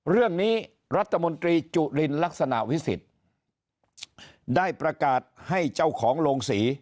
เรื่องนี้รัฐมนตรีจุลินลักษณะวิสิทธิ์ได้ประกาศให้เจ้าของโรงศรี